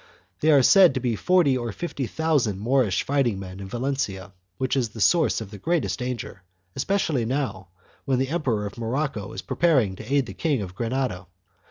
There are said to be forty or fifty thousand Moorish fighting men in Valencia, which is a source of the greatest danger, especially now when the Emperor of Morocco is preparing to aid the King of Granada.